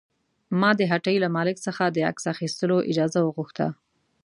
ما د هټۍ له مالک څخه د عکس اخیستلو اجازه وغوښته.